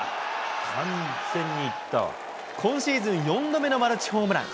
今シーズン４度目のマルチホームラン。